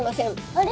あれ？